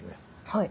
はい。